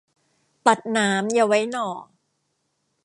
ตัดหนามอย่าไว้หน่อ